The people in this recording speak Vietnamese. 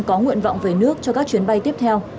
có nguyện vọng về nước cho các chuyến bay tiếp theo